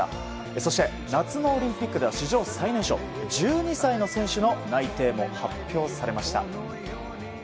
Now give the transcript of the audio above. そして、夏のオリンピックでは史上最年少１２歳の選手の内定も発表されました。